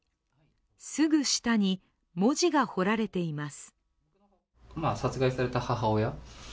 すぐ下に文字が彫られています。